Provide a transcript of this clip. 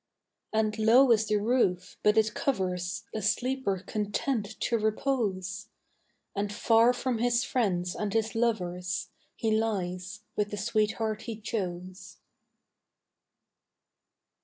And low is the roof, but it covers A sleeper content to repose; And far from his friends and his lovers He lies with the sweetheart he chose.